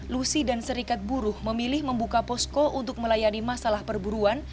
lusi dan serikat buruh memilih membuka posko untuk melayani masalah perburuan